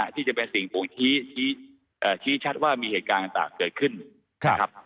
ที่จะเป็นสิ่งบ่งชี้ชัดว่ามีเหตุการณ์ต่างเกิดขึ้นนะครับ